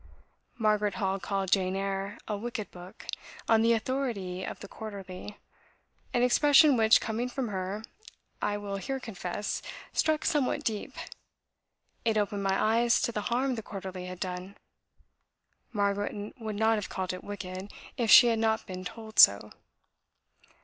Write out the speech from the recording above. Margaret Hall called "Jane Eyre" a 'wicked book,' on the authority of the Quarterly; an expression which, coming from her, I will here confess, struck somewhat deep. It opened my eyes to the harm the Quarterly had done. Margaret would not have called it 'wicked,' if she had not been told so.